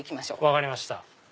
分かりました。